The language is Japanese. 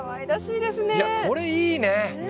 いやこれいいね！